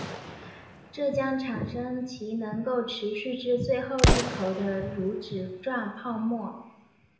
这将产生其能够持续至最后一口的乳脂状泡沫。